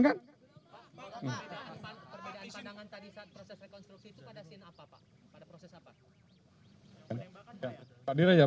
perbedaan pandangan tadi saat proses rekonstruksi itu pada scene apa pak pada proses apa